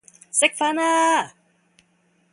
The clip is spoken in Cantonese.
食飯啦!